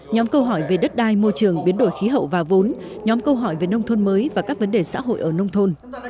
nhóm câu hỏi về đất đai môi trường biến đổi khí hậu và vốn nhóm câu hỏi về nông thôn mới và các vấn đề xã hội ở nông thôn